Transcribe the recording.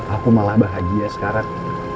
aku malah bahagia sekarang